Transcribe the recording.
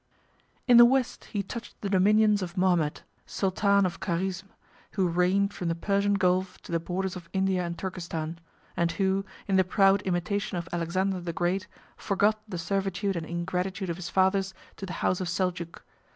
] In the West, he touched the dominions of Mohammed, sultan of Carizme, who reigned from the Persian Gulf to the borders of India and Turkestan; and who, in the proud imitation of Alexander the Great, forgot the servitude and ingratitude of his fathers to the house of Seljuk.